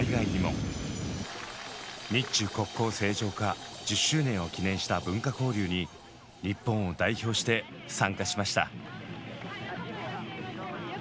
日中国交正常化１０周年を記念した文化交流に日本を代表して参加しました。